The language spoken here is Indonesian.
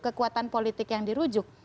kekuatan politik yang dirujuk